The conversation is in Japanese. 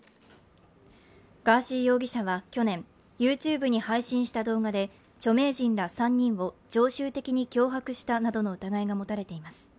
ガーシー容疑者は去年ＹｏｕＴｕｂｅに配信した動画で著名人ら３人を常習的に脅迫したなどの疑いが持たれています。